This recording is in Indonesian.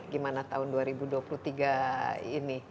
gimana tahun dua ribu dua puluh tiga ini